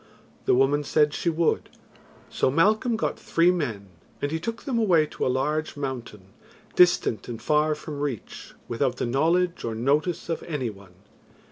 The woman said she would, so Malcolm got three men, and he took them away to a large mountain, distant and far from reach, without the knowledge or notice of any one.